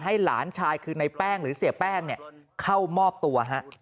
หลานชายคือในแป้งหรือเสียแป้งเข้ามอบตัว